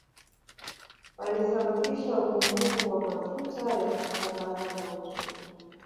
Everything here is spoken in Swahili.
Walisababisha upungufu wa mafuta ya kusambaza moto